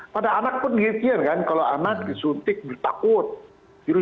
pada anak pun gini gini kan kalau anak disuntik ditakut jerit jerit